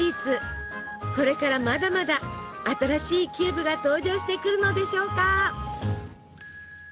これからまだまだ新しいキューブが登場してくるのでしょうか。